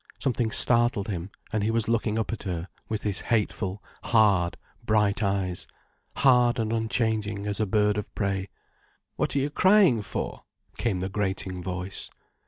Something startled him, and he was looking up at her with his hateful, hard, bright eyes, hard and unchanging as a bird of prey. "What are you crying for?" came the grating voice.